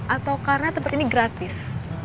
atau karena tempat ini gratis